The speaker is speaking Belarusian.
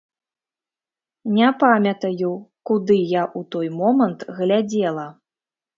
Не памятаю, куды я ў той мамант глядзела.